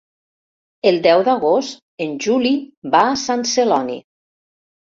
El deu d'agost en Juli va a Sant Celoni.